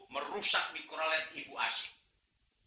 merusak mikrolet ibu asih